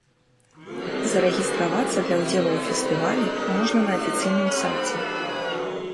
Зарэгістравацца для ўдзелу ў фестывалі можна на афіцыйным сайце.